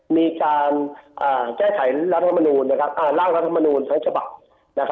มีการแก้ไขล่างรัฐมนูลทั้งฉบัตร